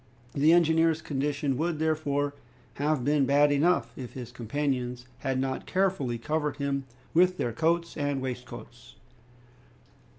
The engineer's condition would, therefore, have been bad enough, if his companions had not carefully covered him with their coats and waistcoats.